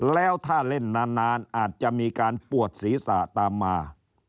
แล้วถ้าเล่นนานอาจจะมีการปวดศีรษะตามมา